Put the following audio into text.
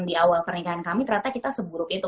di awal pernikahan kami ternyata kita seburuk itu